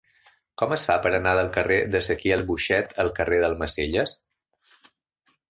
Com es fa per anar del carrer d'Ezequiel Boixet al carrer d'Almacelles?